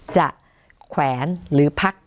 แขวนหรือพัก